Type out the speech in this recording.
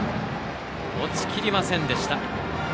落ちきりませんでした。